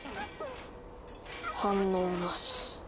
反応なし。